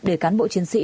để cán bộ chiến sĩ